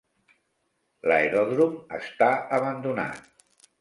L'aeròdrom està abandonat.